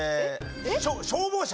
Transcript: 消防車？